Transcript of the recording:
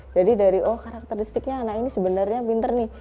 jadi dari oh karakteristiknya anak ini sebenarnya pinter nih